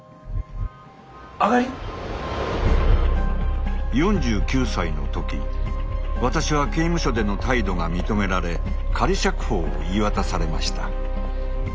上がり⁉４９歳のとき私は刑務所での態度が認められ仮釈放を言い渡されました。